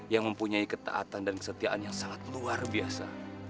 yang mempunyai ketaatan dan kesetiaan yang sangat luar biasa